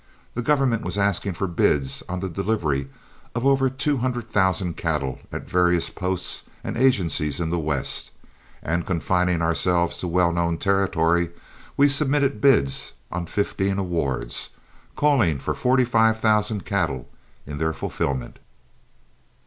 The government was asking for bids on the delivery of over two hundred thousand cattle at various posts and agencies in the West, and confining ourselves to well known territory, we submitted bids on fifteen awards, calling for forty five thousand cattle in their fulfillment.